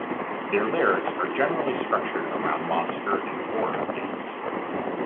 Their lyrics are generally structured around monster and horror themes.